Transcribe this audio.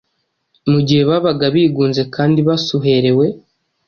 Mu gihe babaga bigunze kandi basuherewe,